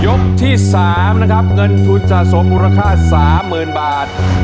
ยกที่สามนะครับเงินทุนสะสมราคาสามหมื่นบาท